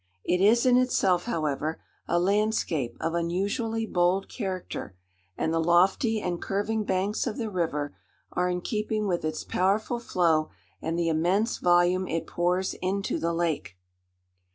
It is in itself, however, a landscape of unusually bold character; and the lofty and curving banks of the river are in keeping with its powerful flow, and the immense volume it pours into the lake.